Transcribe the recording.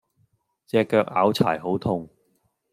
隻腳拗柴好痛